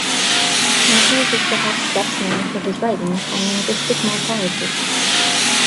Matthews is perhaps best known for his writings on linguistic morphology.